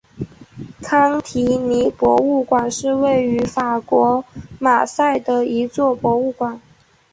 康提尼博物馆是位于法国马赛的一座博物馆。